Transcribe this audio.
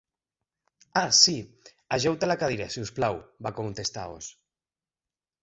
"Ah, sí. Ajeu-te a la cadira, si us plau", va contestar Oz.